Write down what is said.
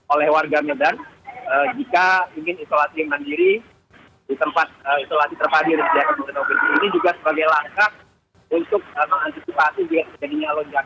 oleh warga medan jika ingin isolasi mandiri di tempat isolasi terpadi di medan medan provinsi ini juga sebagai langkah untuk mengantisipasi jadinya lonjakan